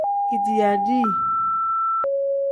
Kediiya dii.